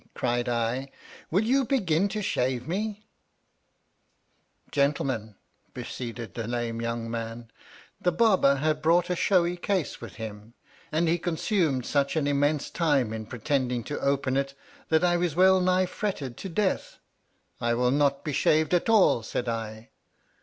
cried I, will you begin to shave me 1 Gentlemen (proceeded the lame young man), the Barber had brought a showy case with him, and he consumed such an immense time in pretending to open it, that I was well nigh fretted to death. I will not be shaved at all, said I.